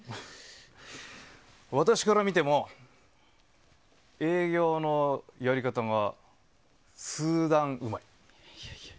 私から見ても営業のやり方が数段うまい。